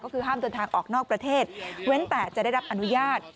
ก็คือห้ามเดินทางออกนอกประเทศเว้นแต่จะได้รับอนุญาต